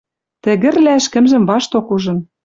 Тӹгӹрлӓ ӹшкӹмжӹм вашток ужын